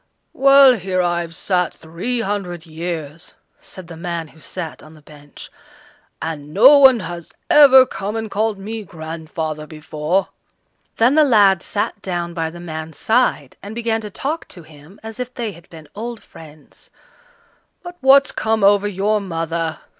"Well, here I've sat three hundred years," said the man who sat on the bench, "and no one has ever come and called me grandfather before." Then the lad sat down by the man's side, and began to talk to him as if they had been old friends. "But what's come over your mother?"